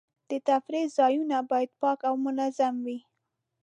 د تفریح ځایونه باید پاک او منظم وي.